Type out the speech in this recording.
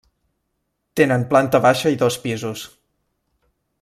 Tenen planta baixa i dos pisos.